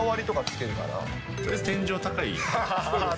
とりあえず天井高い。